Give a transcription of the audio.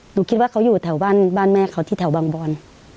คิดว่าเขาอยู่แถวบ้านบ้านแม่เขาที่แถวบางบอน